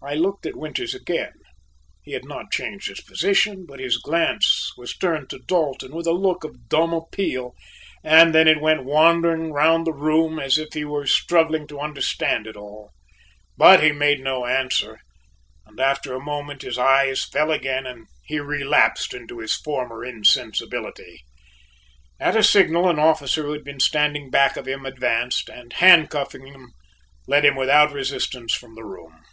I looked at Winters again. He had not changed his position, but his glance was turned to Dalton with a look of dumb appeal and then it went wandering round the room as if he were struggling to understand it all, but he made no answer, and after a moment his eyes fell again and he relapsed into his former insensibility. At a signal, an officer who had been standing back of him advanced, and handcuffing him, led him without resistance from the room.